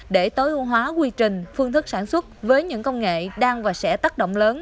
để tối ưu hóa quy trình phương thức sản xuất với những công nghệ đang và sẽ tác động lớn